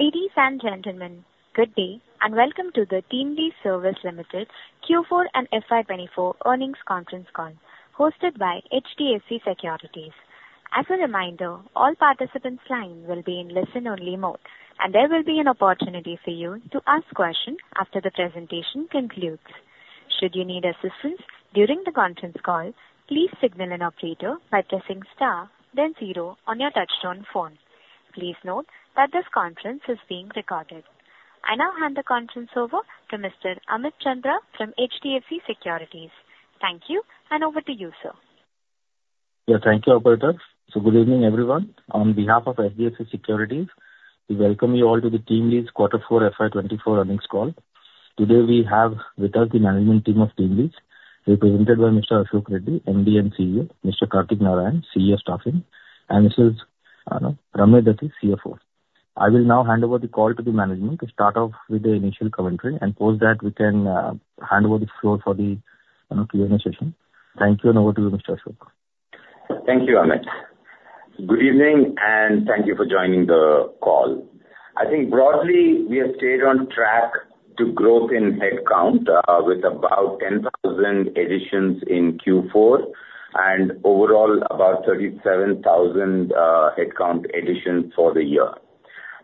Ladies and gentlemen, good day, and welcome to the TeamLease Services Limited Q4 and FY24 earnings conference call, hosted by HDFC Securities. As a reminder, all participants line will be in listen-only mode, and there will be an opportunity for you to ask questions after the presentation concludes. Should you need assistance during the conference call, please signal an operator by pressing star then zero on your touchtone phone. Please note that this conference is being recorded. I now hand the conference over to Mr. Amit Chandra from HDFC Securities. Thank you, and over to you, sir. Yeah, thank you, operator. So good evening, everyone. On behalf of HDFC Securities, we welcome you all to the TeamLease Quarter 4, FY24 earnings call. Today, we have with us the management team of TeamLease, represented by Mr. Ashok Reddy, MD and CEO, Mr. Kartik Narayan, CEO, Staffing, and Mrs. Ramani Dathi, CFO. I will now hand over the call to the management to start off with the initial commentary, and post that we can hand over the floor for the Q&A session. Thank you, and over to you, Mr. Ashok. Thank you, Amit. Good evening, and thank you for joining the call. I think broadly, we have stayed on track to growth in head count with about 10,000 additions in Q4, and overall, about 37,000 head count additions for the year.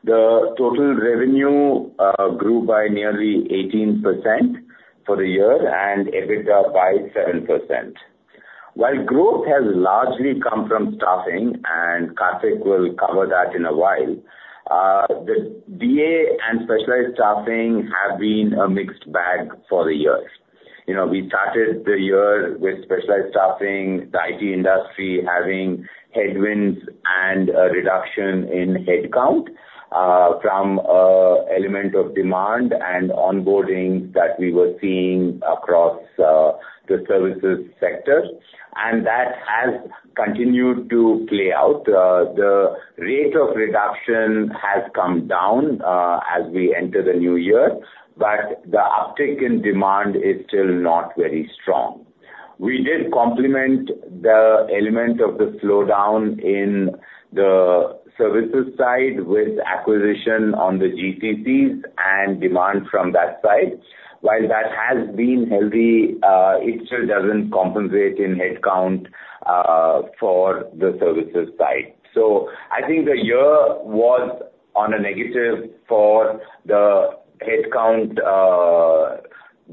The total revenue grew by nearly 18% for the year and EBITDA by 7%. While growth has largely come from staffing, and Kartik will cover that in a while, the DA and specialized staffing have been a mixed bag for the year. You know, we started the year with specialized staffing, the IT industry having headwinds and a reduction in head count from element of demand and onboarding that we were seeing across the services sector. That has continued to play out. The rate of reduction has come down, as we enter the new year, but the uptick in demand is still not very strong. We did complement the element of the slowdown in the services side with acquisition on the GCCs and demand from that side. While that has been healthy, it still doesn't compensate in head count, for the services side. So I think the year was on a negative for the head count,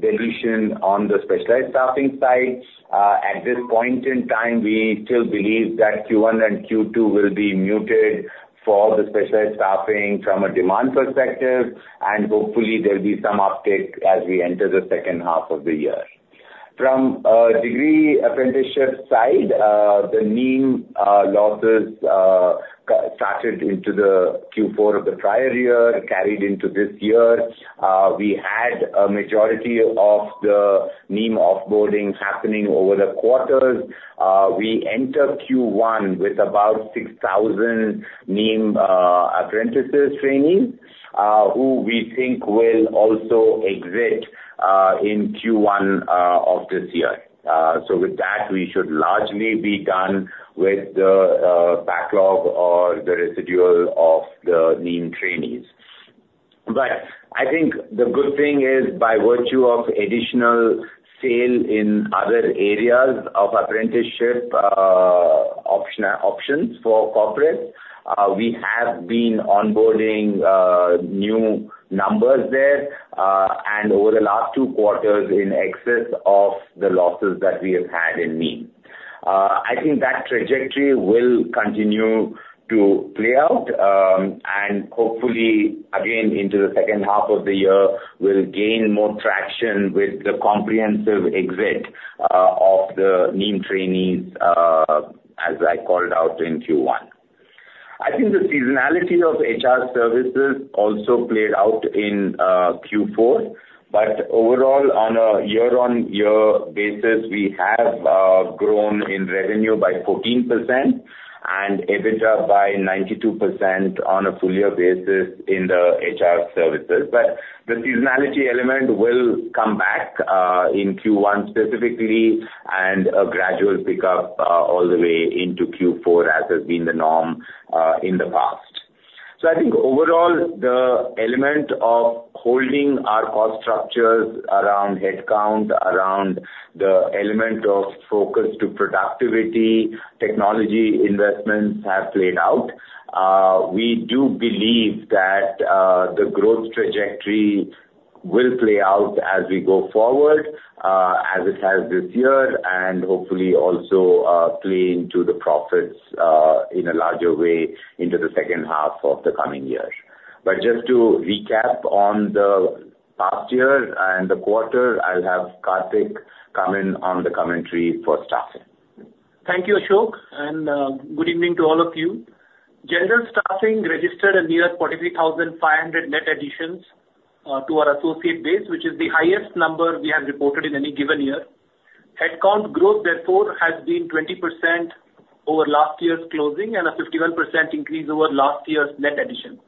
deletion on the specialized staffing side. At this point in time, we still believe that Q1 and Q2 will be muted for the specialized staffing from a demand perspective, and hopefully there'll be some uptick as we enter the second half of the year. From a degree apprenticeship side, the NEEM losses got started into the Q4 of the prior year, carried into this year. We had a majority of the NEEM off-boarding happening over the quarters. We enter Q1 with about 6,000 NEEM apprentices trainees, who we think will also exit in Q1 of this year. So with that, we should largely be done with the backlog or the residual of the NEEM trainees. But I think the good thing is, by virtue of additional sale in other areas of apprenticeship options for corporate, we have been onboarding new numbers there, and over the last two quarters in excess of the losses that we have had in NEEM. I think that trajectory will continue to play out, and hopefully, again, into the second half of the year, we'll gain more traction with the comprehensive exit of the NEEM trainees, as I called out in Q1. I think the seasonality of HR services also played out in Q4, but overall, on a year-on-year basis, we have grown in revenue by 14% and EBITDA by 92% on a full year basis in the HR services. But the seasonality element will come back in Q1 specifically, and a gradual pickup all the way into Q4, as has been the norm in the past. So I think overall, the element of holding our cost structures around head count, around the element of focus to productivity, technology investments have played out. We do believe that the growth trajectory will play out as we go forward, as it has this year, and hopefully also play into the profits in a larger way into the second half of the coming year. But just to recap on the past year and the quarter, I'll have Kartik come in on the commentary for staffing. Thank you, Ashok, and, good evening to all of you. General staffing registered a near 43,500 net additions to our associate base, which is the highest number we have reported in any given year. Headcount growth, therefore, has been 20% over last year's closing and a 51% increase over last year's net addition.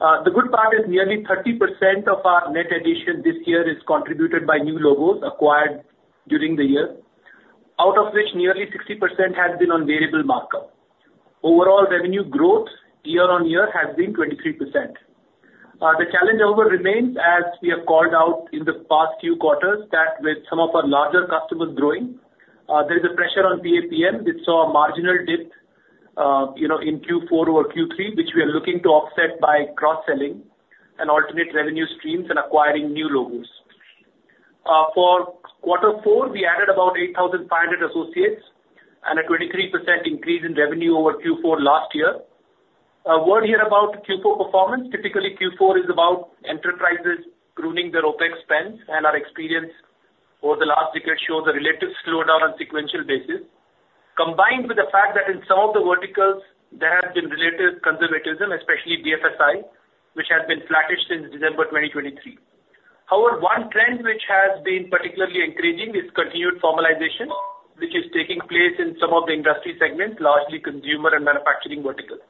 The good part is nearly 30% of our net addition this year is contributed by new logos acquired during the year. Out of which nearly 60% has been on variable markup. Overall revenue growth year-on-year has been 23%. The challenge however remains, as we have called out in the past few quarters, that with some of our larger customers growing, there is a pressure on PAPM, which saw a marginal dip, you know, in Q4 over Q3, which we are looking to offset by cross-selling and alternate revenue streams and acquiring new logos. For quarter four, we added about 8,500 associates and a 23% increase in revenue over Q4 last year. A word here about Q4 performance. Typically, Q4 is about enterprises pruning their OPEX spends, and our experience over the last decade shows a relative slowdown on sequential basis, combined with the fact that in some of the verticals there has been relative conservatism, especially BFSI, which has been flattish since December 2023. However, one trend which has been particularly encouraging is continued formalization, which is taking place in some of the industry segments, largely consumer and manufacturing verticals.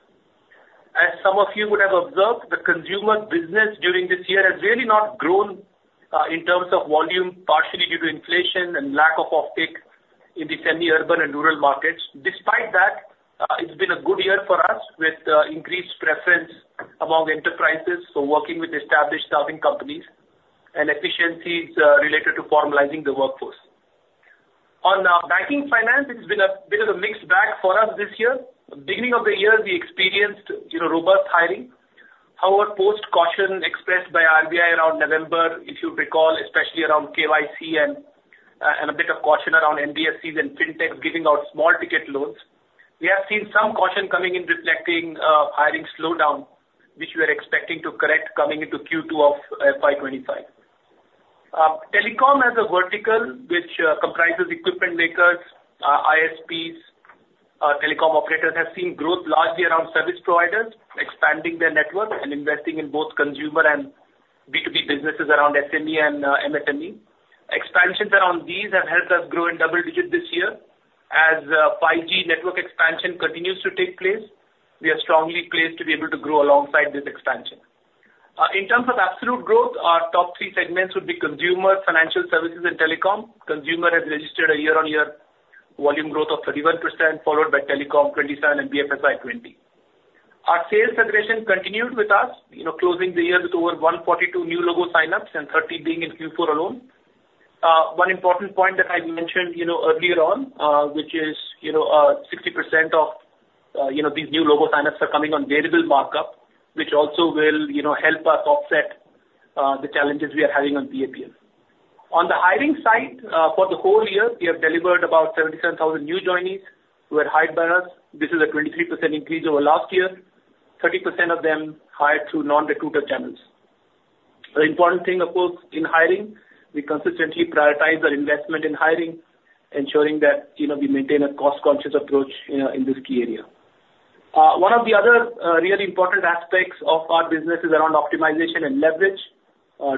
As some of you would have observed, the consumer business during this year has really not grown in terms of volume, partially due to inflation and lack of offtake in the semi-urban and rural markets. Despite that, it's been a good year for us with increased preference among enterprises for working with established staffing companies and efficiencies related to formalizing the workforce. On banking finance, it's been a mixed bag for us this year. Beginning of the year, we experienced, you know, robust hiring. However, post caution expressed by RBI around November, if you recall, especially around KYC and a bit of caution around NBFCs and Fintech giving out small ticket loans. We have seen some caution coming in reflecting hiring slowdown, which we are expecting to correct coming into Q2 of FY25. Telecom as a vertical which comprises equipment makers, ISPs, telecom operators, have seen growth largely around service providers expanding their network and investing in both consumer and B2B businesses around SME and MSME. Expansions around these have helped us grow in double digits this year. As 5G network expansion continues to take place, we are strongly placed to be able to grow alongside this expansion. In terms of absolute growth, our top three segments would be consumer, financial services, and telecom. Consumer has registered a year-on-year volume growth of 31%, followed by telecom, 27, and BFSI, 20. Our sales acceleration continued with us, you know, closing the year with over 142 new logo sign-ups, and 30 being in Q4 alone. One important point that I mentioned, you know, earlier on, which is, you know, 60% of, you know, these new logo sign-ups are coming on variable markup, which also will, you know, help us offset, the challenges we are having on PAPM. On the hiring side, for the whole year, we have delivered about 77,000 new joinees who were hired by us. This is a 23% increase over last year. 30% of them hired through non-recruiter channels. The important thing, of course, in hiring, we consistently prioritize our investment in hiring, ensuring that, you know, we maintain a cost-conscious approach, you know, in this key area. One of the other really important aspects of our business is around optimization and leverage,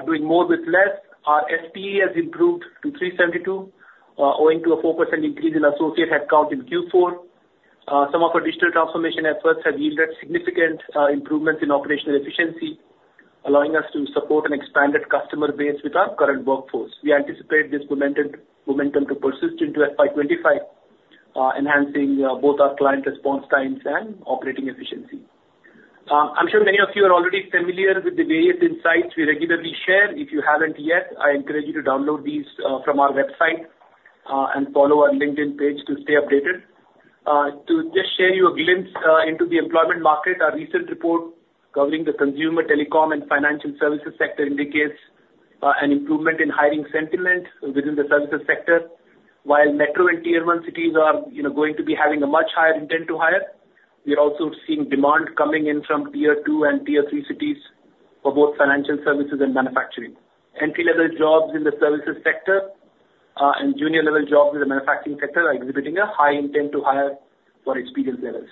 doing more with less. Our SPE has improved to 372, owing to a 4% increase in associate headcount in Q4. Some of our digital transformation efforts have yielded significant improvements in operational efficiency, allowing us to support an expanded customer base with our current workforce. We anticipate this momentum to persist into FY25, enhancing both our client response times and operating efficiency. I'm sure many of you are already familiar with the various insights we regularly share. If you haven't yet, I encourage you to download these from our website and follow our LinkedIn page to stay updated. To just share you a glimpse into the employment market, our recent report covering the consumer, telecom, and financial services sector indicates an improvement in hiring sentiment within the services sector. While metro and Tier One cities are, you know, going to be having a much higher intent to hire, we are also seeing demand coming in from Tier Two and Tier Three cities for both financial services and manufacturing. Entry-level jobs in the services sector and junior level jobs in the manufacturing sector are exhibiting a high intent to hire for experienced levels.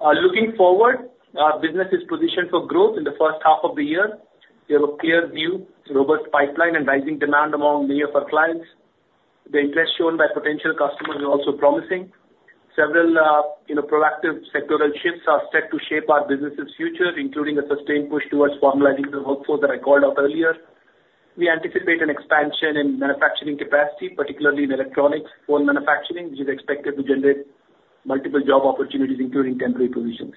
Looking forward, our business is positioned for growth in the first half of the year. We have a clear view, robust pipeline, and rising demand among many of our clients. The interest shown by potential customers is also promising. Several, you know, proactive sectoral shifts are set to shape our business's future, including a sustained push towards formalizing the workforce that I called out earlier. We anticipate an expansion in manufacturing capacity, particularly in electronics for manufacturing, which is expected to generate multiple job opportunities, including temporary positions.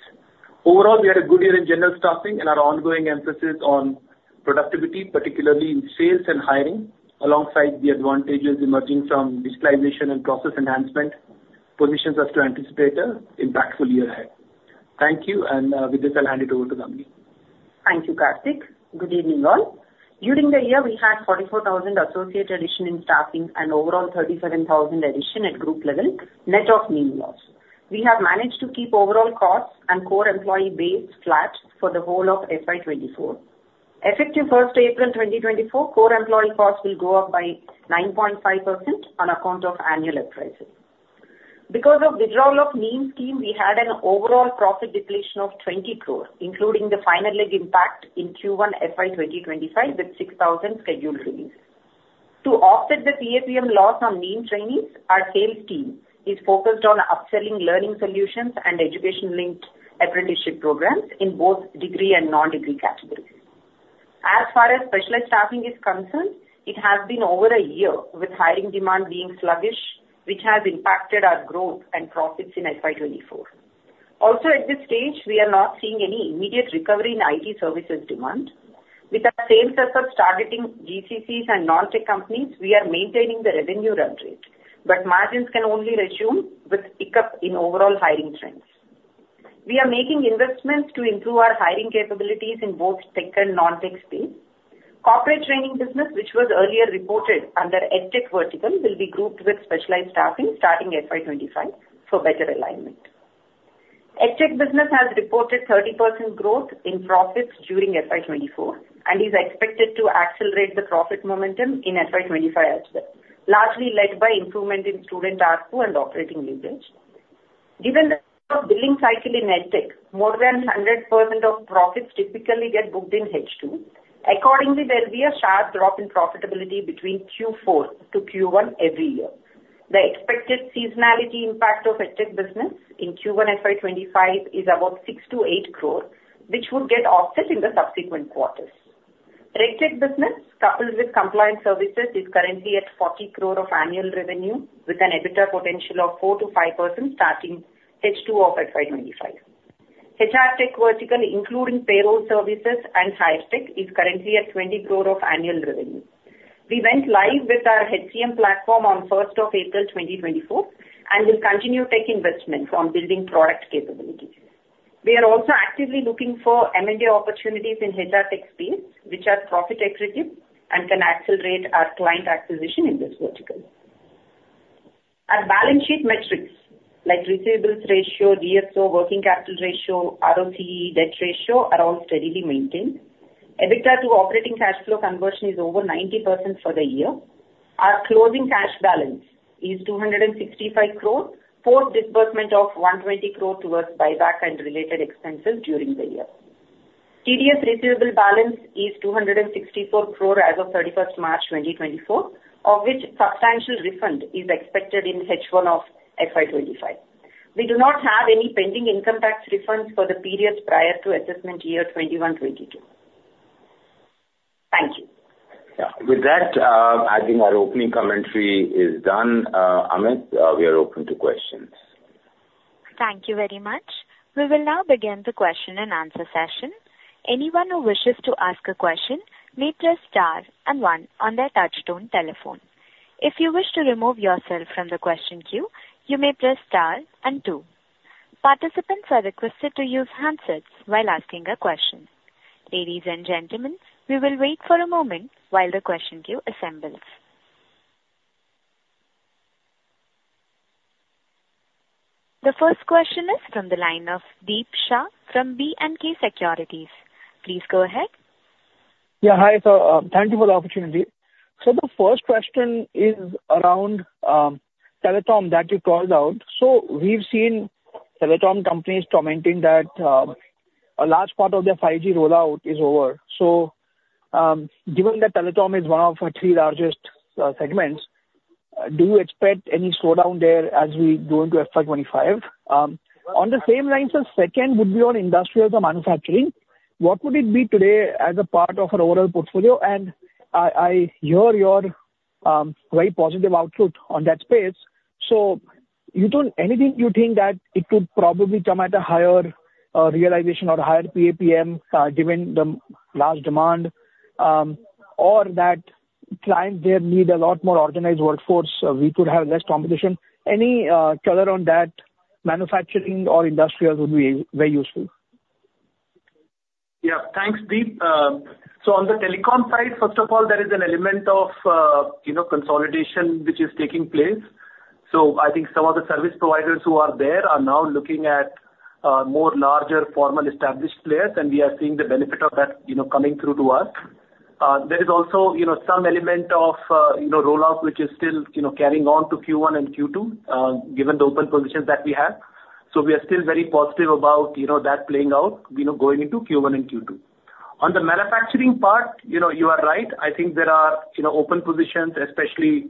Overall, we had a good year in general staffing and our ongoing emphasis on productivity, particularly in sales and hiring, alongside the advantages emerging from digitalization and process enhancement, positions us to anticipate an impactful year ahead. Thank you, and with this, I'll hand it over to Ramani. Thank you, Kartik. Good evening, all. During the year, we had 44,000 associate addition in staffing and overall 37,000 addition at group level, net of NEEM loss. We have managed to keep overall costs and core employee base flat for the whole of FY24. Effective April 1, 2024, core employee costs will go up by 9.5% on account of annual increases. Because of withdrawal of NEEM scheme, we had an overall profit depletion of 20 crore, including the final leg impact in Q1 FY25, with 6,000 scheduled releases. To offset the PAPM loss on NEEM trainees, our sales team is focused on upselling learning solutions and education-linked apprenticeship programs in both degree and non-degree categories.... As far as specialized staffing is concerned, it has been over a year, with hiring demand being sluggish, which has impacted our growth and profits in FY24. Also, at this stage, we are not seeing any immediate recovery in IT services demand. With our sales efforts targeting GCCs and non-tech companies, we are maintaining the revenue run rate, but margins can only resume with pick-up in overall hiring trends. We are making investments to improve our hiring capabilities in both tech and non-tech space. Corporate training business, which was earlier reported under EdTech vertical, will be grouped with specialized staffing starting FY25 for better alignment. EdTech business has reported 30% growth in profits during FY24 and is expected to accelerate the profit momentum in FY25 as well, largely led by improvement in student ARPU and operating leverage. Given the billing cycle in EdTech, more than 100% of profits typically get booked in H2. Accordingly, there'll be a sharp drop in profitability between Q4 to Q1 every year. The expected seasonality impact of EdTech business in Q1 FY25 is about 6 crore-8 crore, which would get offset in the subsequent quarters. RegTech business, coupled with compliance services, is currently at 40 crore of annual revenue with an EBITDA potential of 4%-5% starting H2 of FY25. HR Tech vertical, including payroll services and HireTech, is currently at 20 crore of annual revenue. We went live with our HCM platform on April 1, 2024, and will continue tech investment on building product capabilities. We are also actively looking for M&A opportunities in HR Tech space, which are profit accretive and can accelerate our client acquisition in this vertical. Our balance sheet metrics, like receivables ratio, DSO, working capital ratio, ROCE, debt ratio, are all steadily maintained. EBITDA to operating cash flow conversion is over 90% for the year. Our closing cash balance is 265 crore, post disbursement of 120 crore towards buyback and related expenses during the year. TDS receivable balance is 264 crore as of March 31, 2024, of which substantial refund is expected in H1 of FY 2025. We do not have any pending income tax refunds for the periods prior to assessment year 2021, 2022. Thank you. Yeah. With that, I think our opening commentary is done. Amit, we are open to questions. Thank you very much. We will now begin the question-and-answer session. Anyone who wishes to ask a question may press star and one on their touchtone telephone. If you wish to remove yourself from the question queue, you may press star and two. Participants are requested to use handsets while asking a question. Ladies and gentlemen, we will wait for a moment while the question queue assembles. The first question is from the line of Deep Shah from B&K Securities. Please go ahead. Yeah, hi, so, thank you for the opportunity. So the first question is around telecom that you called out. So we've seen telecom companies commenting that a large part of their 5G rollout is over. So, given that telecom is one of our three largest segments, do you expect any slowdown there as we go into FY25? On the same lines, the second would be on industrials or manufacturing. What would it be today as a part of our overall portfolio? And I, I hear your very positive outlook on that space, so you don't-- anything you think that it could probably come at a higher realization or higher PAPM, given the large demand, or that clients there need a lot more organized workforce, we could have less competition. Any color on that manufacturing or industrials would be very useful? Yeah. Thanks, Deep. So on the telecom side, first of all, there is an element of, you know, consolidation, which is taking place. So I think some of the service providers who are there are now looking at, more larger, formal, established players, and we are seeing the benefit of that, you know, coming through to us. There is also, you know, some element of, you know, rollout, which is still, you know, carrying on to Q1 and Q2, given the open positions that we have. So we are still very positive about, you know, that playing out, you know, going into Q1 and Q2. On the manufacturing part, you know, you are right. I think there are, you know, open positions, especially,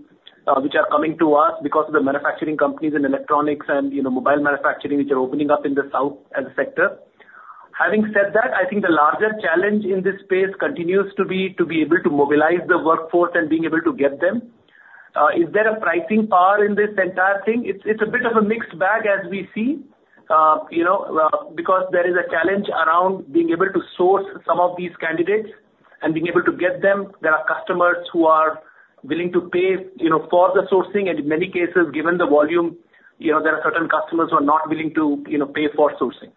which are coming to us because of the manufacturing companies in electronics and, you know, mobile manufacturing, which are opening up in the south as a sector. Having said that, I think the larger challenge in this space continues to be, to be able to mobilize the workforce and being able to get them. Is there a pricing power in this entire thing? It's, it's a bit of a mixed bag as we see. You know, because there is a challenge around being able to source some of these candidates and being able to get them. There are customers who are willing to pay, you know, for the sourcing, and in many cases, given the volume, you know, there are certain customers who are not willing to, you know, pay for sourcing.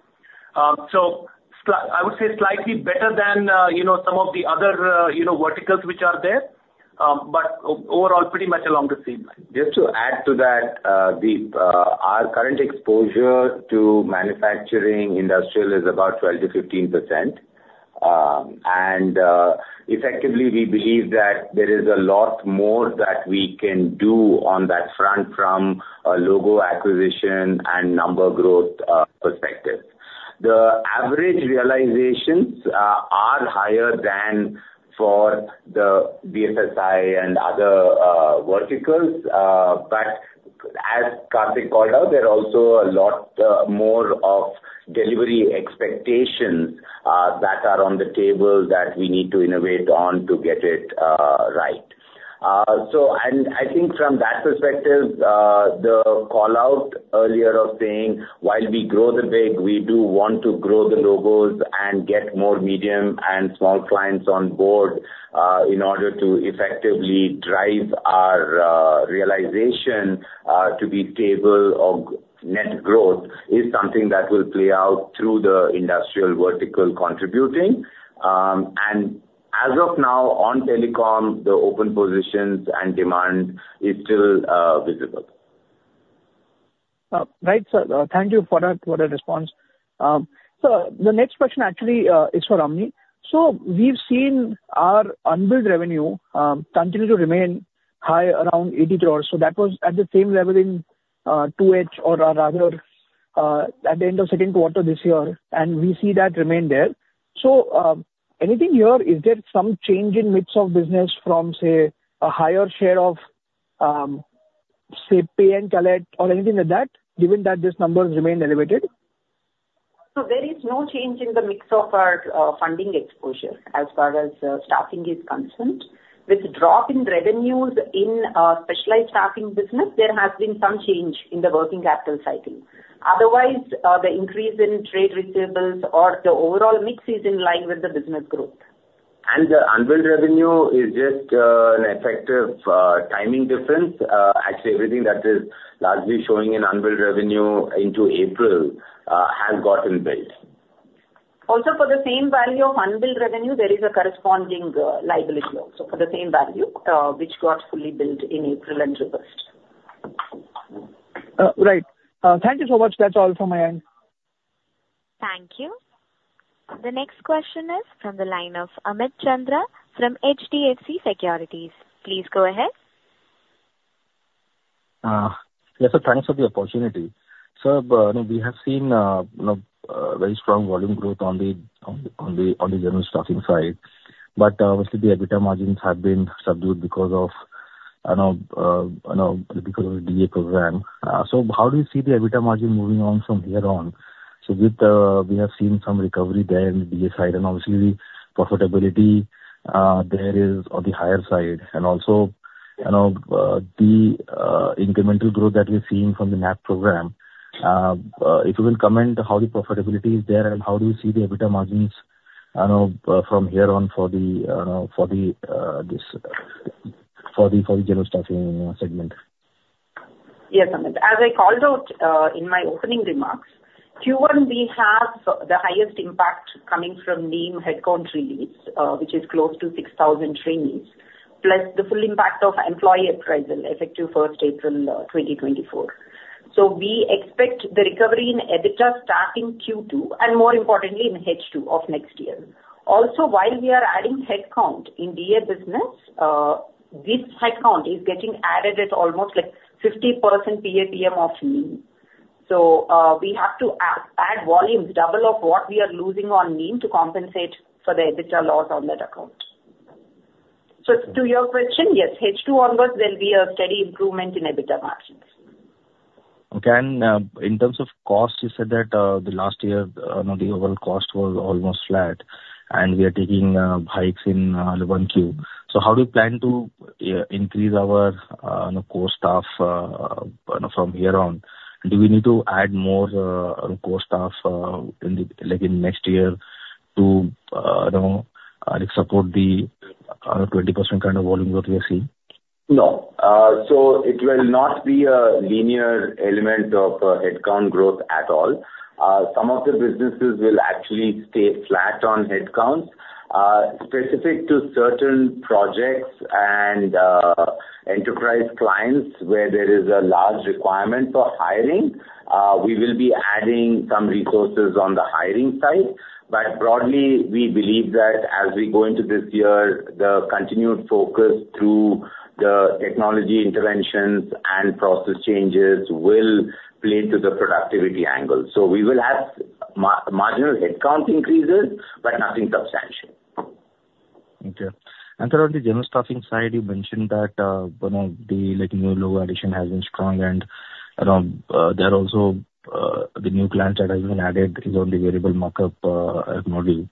I would say slightly better than, you know, some of the other, you know, verticals which are there, but overall, pretty much along the same line. Just to add to that, Deep, our current exposure to manufacturing industrial is about 12%-15%. And effectively, we believe that there is a lot more that we can do on that front from a logo acquisition and number growth perspective. The average realizations are higher than for the BFSI and other verticals, but as Kartik called out, there are also a lot more of delivery expectations that are on the table that we need to innovate on to get it right. So and I think from that perspective, the call-out earlier of saying while we grow the big, we do want to grow the logos and get more medium and small clients on board, in order to effectively drive our realization to be stable of net growth, is something that will play out through the industrial vertical contributing. And as of now, on telecom, the open positions and demand is still visible. Right, sir. Thank you for that, for that response. So the next question actually is for Ramani. So we've seen our unbilled revenue continue to remain high, around 80 crores. So that was at the same level in 2H or rather at the end of second quarter this year, and we see that remain there. So, anything here, is there some change in mix of business from, say, a higher share of, say, pay and collect or anything like that, given that these numbers remained elevated? So there is no change in the mix of our funding exposure as far as staffing is concerned. With drop in revenues in specialized staffing business, there has been some change in the working capital cycle. Otherwise, the increase in trade receivables or the overall mix is in line with the business growth. The unbilled revenue is just an effective timing difference. Actually, everything that is largely showing in unbilled revenue into April has gotten billed. Also, for the same value of unbilled revenue, there is a corresponding liability also for the same value, which got fully billed in April and reversed. Right. Thank you so much. That's all from my end. Thank you. The next question is from the line of Amit Chandra from HDFC Securities. Please go ahead. Yes, sir, thanks for the opportunity. Sir, we have seen, you know, very strong volume growth on the general staffing side, but obviously the EBITDA margins have been subdued because of, you know, you know, because of the DA program. So how do you see the EBITDA margin moving on from here on? So with, we have seen some recovery there in DA side, and obviously the profitability, there is on the higher side, and also, you know, the incremental growth that we're seeing from the MAP program. If you will comment on how the profitability is there, and how do you see the EBITDA margins, you know, from here on for the general staffing segment? Yes, Amit. As I called out in my opening remarks, Q1, we have the highest impact coming from NEEM headcount release, which is close to 6,000 trainees, plus the full impact of employee appraisal effective first April 2024. So we expect the recovery in EBITDA starting Q2, and more importantly, in H2 of next year. Also, while we are adding headcount in DA business, this headcount is getting added at almost, like, 50% PAPM of NEEM. So, we have to add volumes double of what we are losing on NEEM to compensate for the EBITDA loss on that account. So to your question, yes, H2 onwards, there'll be a steady improvement in EBITDA margins. Okay, and in terms of cost, you said that the last year, you know, the overall cost was almost flat, and we are taking hikes in 1Q. So how do you plan to increase our, you know, core staff, you know, from here on? Do we need to add more core staff in the, like, in next year to you know support the 20% kind of volume growth we are seeing? No. So it will not be a linear element of headcount growth at all. Some of the businesses will actually stay flat on headcounts. Specific to certain projects and enterprise clients, where there is a large requirement for hiring, we will be adding some resources on the hiring side. But broadly, we believe that as we go into this year, the continued focus through the technology interventions and process changes will play to the productivity angle. So we will have marginal headcount increases, but nothing substantial. Okay. And then on the general staffing side, you mentioned that, you know, the, like, new logo addition has been strong and, you know, there are also the new clients that have been added is on the variable markup model.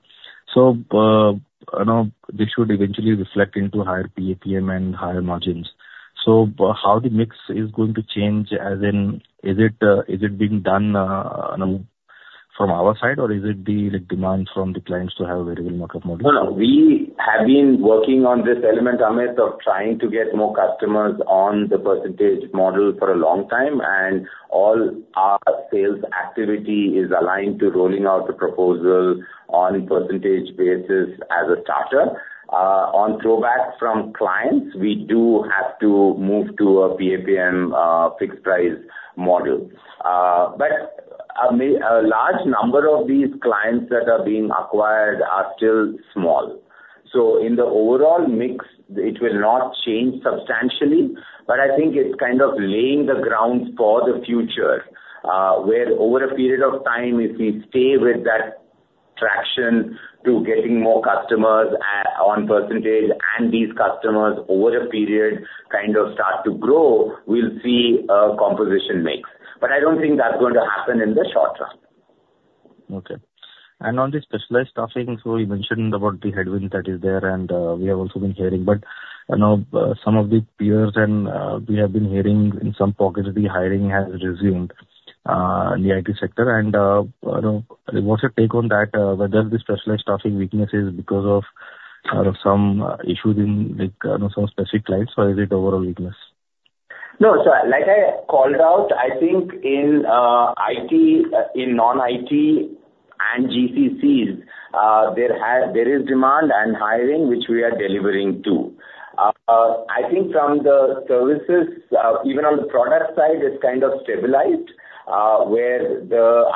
So, you know, this should eventually reflect into higher PAPM and higher margins. So how the mix is going to change, as in, is it, is it being done, you know, from our side, or is it the, like, demand from the clients to have a variable markup model? No, no. We have been working on this element, Amit, of trying to get more customers on the percentage model for a long time, and all our sales activity is aligned to rolling out the proposal on percentage basis as a starter. On feedback from clients, we do have to move to a PAPM fixed price model. But a large number of these clients that are being acquired are still small. So in the overall mix, it will not change substantially, but I think it's kind of laying the grounds for the future, where over a period of time, if we stay with that traction to getting more customers at, on percentage, and these customers over a period kind of start to grow, we'll see a composition mix. But I don't think that's going to happen in the short term. Okay. And on the specialized staffing, so you mentioned about the headwind that is there, and we have also been hearing. But you know, some of the peers and we have been hearing in some pockets, the hiring has resumed in the IT sector. And you know, what's your take on that, whether the specialized staffing weakness is because of some issues in, like, some specific clients, or is it overall weakness? No, so like I called out, I think in IT, in non-IT and GCCs, there is demand and hiring, which we are delivering to. I think from the services, even on the product side, it's kind of stabilized, where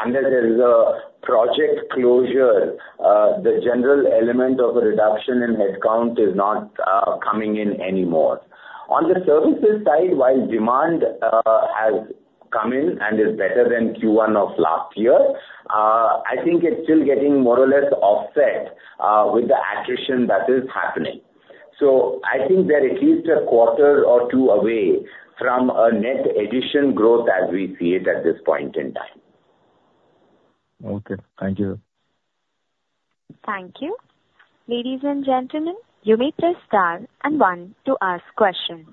unless there is a project closure, the general element of a reduction in headcount is not coming in anymore. On the services side, while demand has come in and is better than Q1 of last year, I think it's still getting more or less offset with the attrition that is happening. So I think we're at least a quarter or two away from a net addition growth as we see it at this point in time. Okay, thank you. Thank you. Ladies and gentlemen, you may press star and one to ask questions.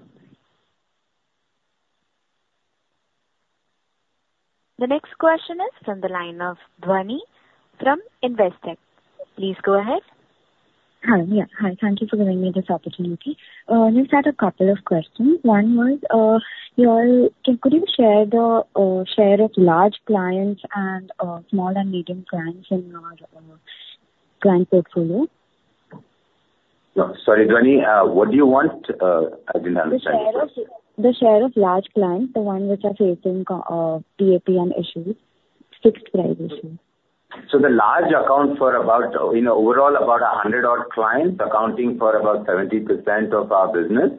The next question is from the line of Dhwani from Investec. Please go ahead. Hi. Yeah, hi, thank you for giving me this opportunity. Just had a couple of questions. One was, you all, could you share the, share of large clients and, small and medium clients in your, client portfolio? No, sorry, Dhwani, what do you want? I didn't understand. The share of large clients, the ones which are facing PAPM issues, fixed prices. The large accounts account for about, in overall, about 100 odd clients, accounting for about 70% of our business,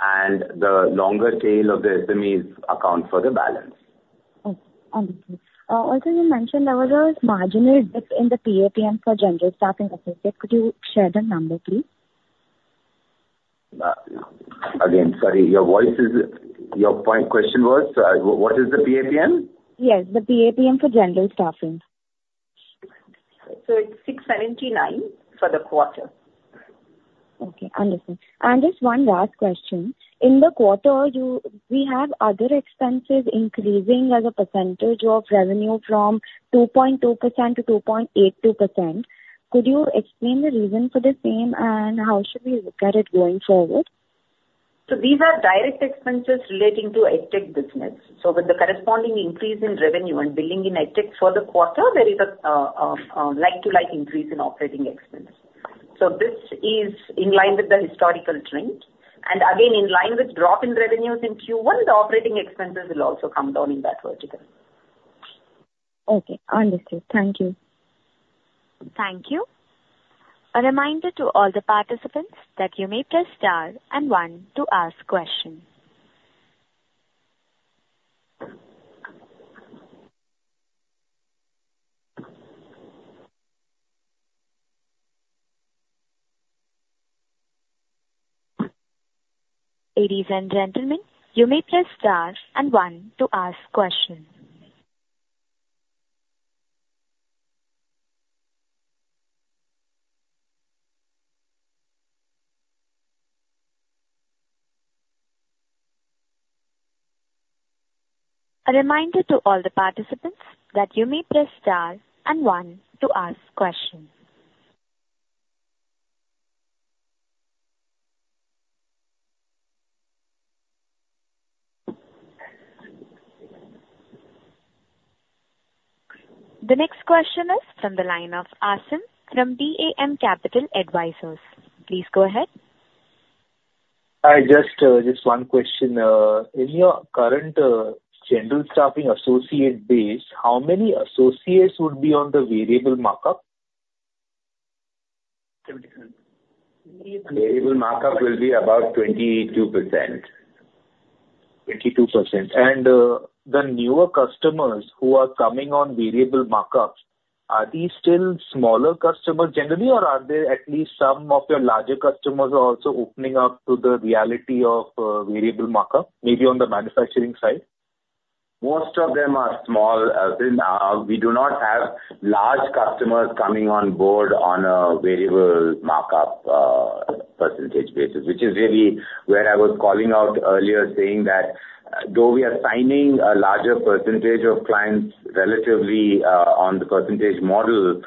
and the long tail of the SMEs account for the balance. Okay, understood. Also, you mentioned there was a marginal dip in the PAPM for general staffing associates. Could you share the number, please? Again, sorry, your voice is... Your point, question was, what is the PAPM? Yes, the PAPM for general staffing. It's 679 for the quarter. Okay, understood. Just one last question: In the quarter, we have other expenses increasing as a percentage of revenue from 2.2%-2.82%. Could you explain the reason for the same, and how should we look at it going forward? So these are direct expenses relating to EdTech business. So with the corresponding increase in revenue and billing in EdTech for the quarter, there is a like-to-like increase in operating expenses. So this is in line with the historical trend. Again, in line with drop in revenues in Q1, the operating expenses will also come down in that vertical. Okay, understood. Thank you. Thank you. A reminder to all the participants that you may press star and one to ask questions. Ladies and gentlemen, you may press star and one to ask questions. A reminder to all the participants that you may press star and one to ask questions. The next question is from the line of Aasim from DAM Capital Advisors. Please go ahead. Hi, just one question. In your current general staffing associate base, how many associates would be on the variable markup? Variable Markup will be about 22%. 22%. And, the newer customers who are coming on variable markups, are these still smaller customers generally, or are there at least some of your larger customers are also opening up to the reality of, variable markup, maybe on the manufacturing side? Most of them are small. Then, we do not have large customers coming on board on a variable markup, percentage basis, which is really where I was calling out earlier, saying that though we are signing a larger percentage of clients relatively, on the percentage model,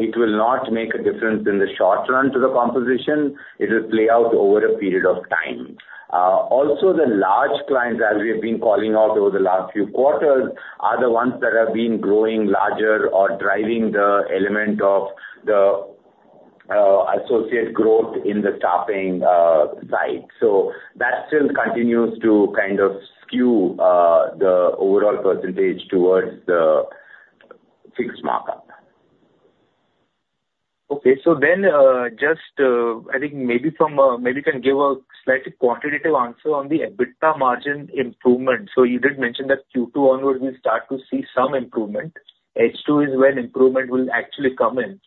it will not make a difference in the short run to the composition. It will play out over a period of time. Also, the large clients, as we have been calling out over the last few quarters, are the ones that have been growing larger or driving the element of the, associate growth in the staffing, side. So that still continues to kind of skew, the overall percentage towards the fixed markup. Okay, so then, just, I think maybe from, maybe you can give a slightly quantitative answer on the EBITDA margin improvement. So you did mention that Q2 onwards, we start to see some improvement. H2 is when improvement will actually come in.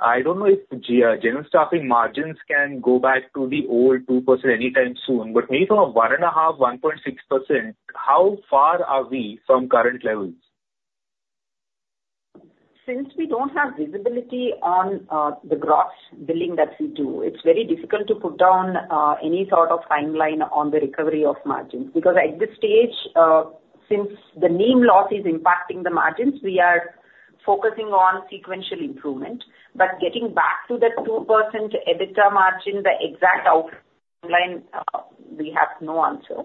I don't know if G, general staffing margins can go back to the old 2% anytime soon, but maybe from a 1.5, 1.6%, how far are we from current levels? Since we don't have visibility on the gross billing that we do, it's very difficult to put down any sort of timeline on the recovery of margins. Because at this stage, since the name loss is impacting the margins, we are focusing on sequential improvement. But getting back to the 2% EBITDA margin, the exact outline, we have no answer.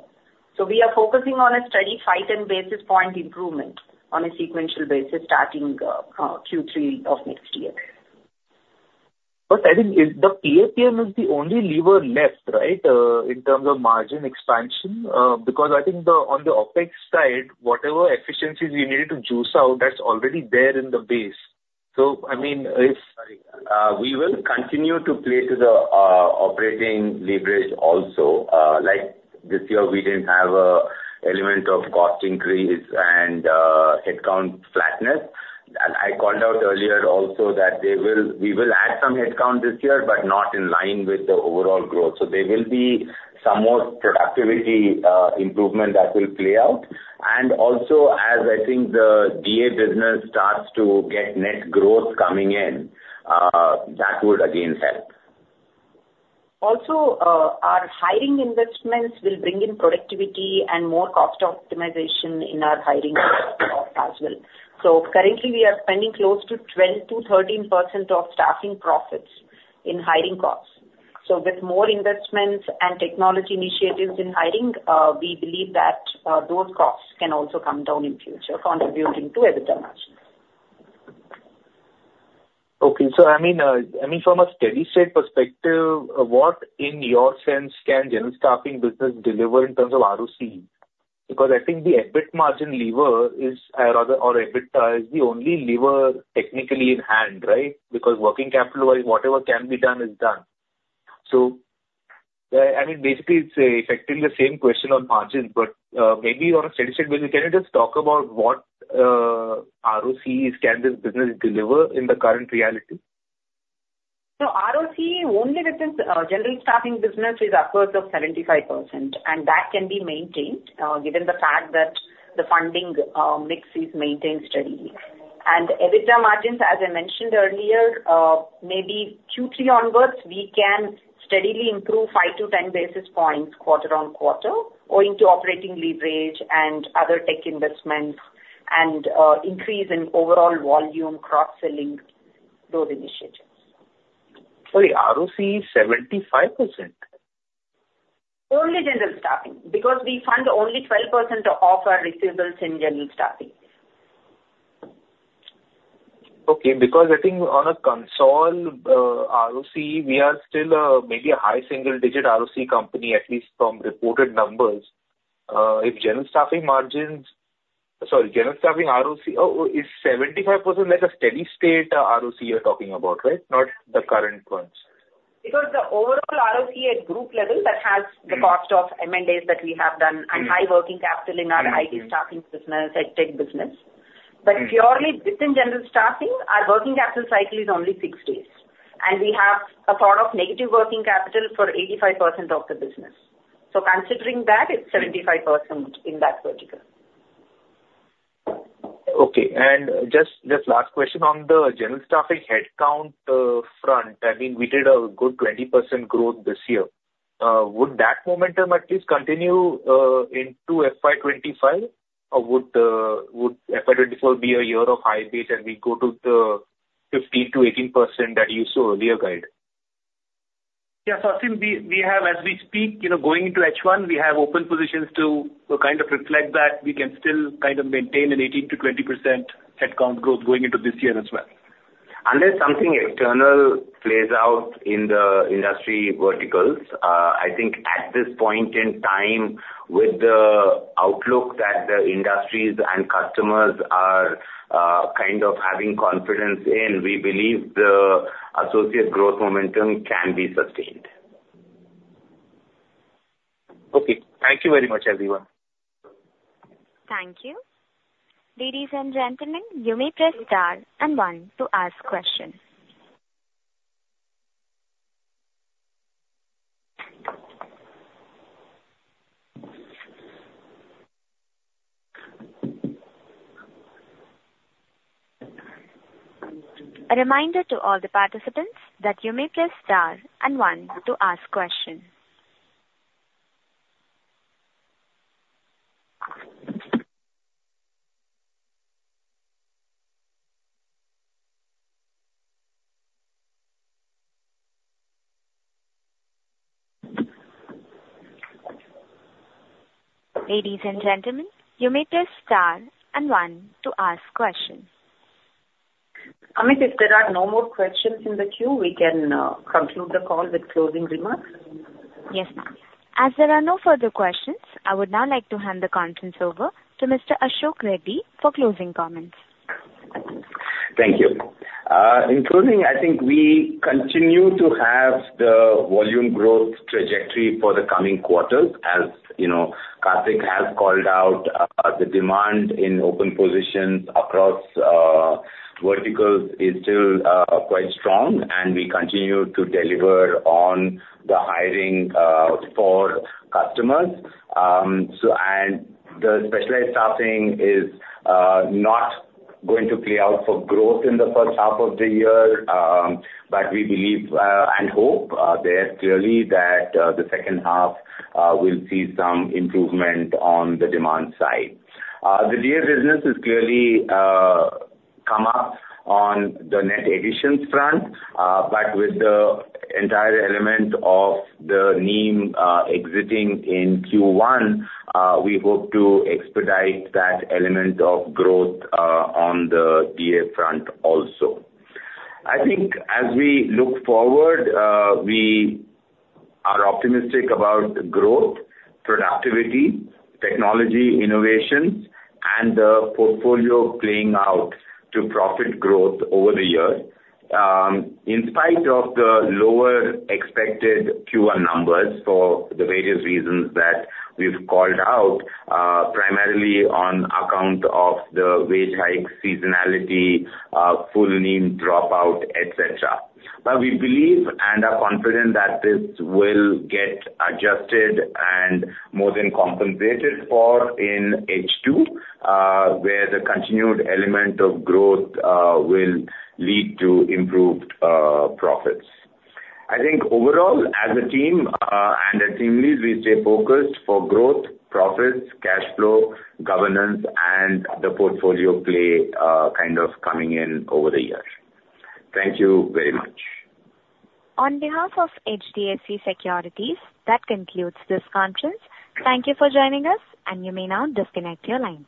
So we are focusing on a steady 5-10 basis point improvement on a sequential basis starting Q3 of next year. But I think if the PAPM is the only lever left, right, in terms of margin expansion? Because I think the, on the OpEx side, whatever efficiencies you needed to juice out, that's already there in the base. So I mean, if- We will continue to play to the operating leverage also. Like this year, we didn't have an element of cost increase and headcount flatness. And I called out earlier also that they will-- we will add some headcount this year, but not in line with the overall growth. So there will be some more productivity improvement that will play out. And also, as I think the DA business starts to get net growth coming in, that would again help. Also, our hiring investments will bring in productivity and more cost optimization in our hiring as well. Currently, we are spending close to 12%-13% of staffing profits in hiring costs. With more investments and technology initiatives in hiring, we believe that, those costs can also come down in future, contributing to EBITDA margins. Okay. So I mean, I mean from a steady state perspective, what in your sense can general staffing business deliver in terms of ROCE? Because I think the EBIT margin lever is, or rather, or EBITDA, is the only lever technically in hand, right? Because working capital-wise, whatever can be done is done. So, I mean, basically, it's effectively the same question on margins, but, maybe on a steady state basis, can you just talk about what, ROCEs can this business deliver in the current reality? So ROCE only within the general staffing business is upwards of 75%, and that can be maintained given the fact that the funding mix is maintained steady. And EBITDA margins, as I mentioned earlier, maybe Q3 onwards, we can steadily improve 5-10 basis points quarter-over-quarter, owing to operating leverage and other tech investments and increase in overall volume, cross-selling those initiatives. Sorry, ROC is 75%? Only general staffing, because we fund only 12% of our receivables in general staffing. Okay, because I think on a consolidated ROC, we are still maybe a high single digit ROC company, at least from reported numbers. If general staffing margins... Sorry, general staffing ROC is 75% like a steady state ROC you're talking about, right? Not the current ones. Because the overall ROCE at group level, that has- Mm-hmm. the cost of M&As that we have done Mm-hmm. and high working capital in our- Mm-hmm IT staffing business and tech business. Mm. But purely within general staffing, our working capital cycle is only 6 days, and we have a sort of negative working capital for 85% of the business. So considering that, it's 75% in that vertical. Okay. Just, just last question on the general staffing headcount front. I mean, we did a good 20% growth this year. Would that momentum at least continue into FY25, or would FY24 be a year of high base and we go to the 15%-18% that you saw earlier guide? Yeah, so I think we have as we speak, you know, going into H1, we have open positions to kind of reflect that we can still kind of maintain an 18%-20% headcount growth going into this year as well. Unless something external plays out in the industry verticals, I think at this point in time, with the outlook that the industries and customers are, kind of having confidence in, we believe the associate growth momentum can be sustained. Okay. Thank you very much, everyone. Thank you. Ladies and gentlemen, you may press star and one to ask questions. A reminder to all the participants that you may press star and one to ask questions. Ladies and gentlemen, you may press star and one to ask questions. Amit, if there are no more questions in the queue, we can conclude the call with closing remarks?... Yes, ma'am. As there are no further questions, I would now like to hand the conference over to Mr. Ashok Reddy for closing comments. Thank you. In closing, I think we continue to have the volume growth trajectory for the coming quarters. As you know, Kartik has called out, the demand in open positions across, verticals is still, quite strong, and we continue to deliver on the hiring, for customers. So and the specialized staffing is, not going to play out for growth in the first half of the year. But we believe, and hope, there clearly that, the second half, will see some improvement on the demand side. The DA business is clearly, come up on the net additions front, but with the entire element of the NEEM, exiting in Q1, we hope to expedite that element of growth, on the DA front also. I think as we look forward, we are optimistic about growth, productivity, technology, innovation, and the portfolio playing out to profit growth over the year. In spite of the lower expected Q1 numbers for the various reasons that we've called out, primarily on account of the wage hike, seasonality, full NEEM dropout, et cetera. But we believe and are confident that this will get adjusted and more than compensated for in H2, where the continued element of growth will lead to improved profits. I think overall, as a team and a team lead, we stay focused for growth, profits, cash flow, governance, and the portfolio play kind of coming in over the years. Thank you very much. On behalf of HDFC Securities, that concludes this conference. Thank you for joining us, and you may now disconnect your lines.